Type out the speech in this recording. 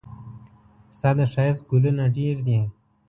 ستا د ښايست ګلونه ډېر دي.